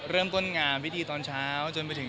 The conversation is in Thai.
เริ่มต้นงามพิธีตอนเช้าจนไปถึง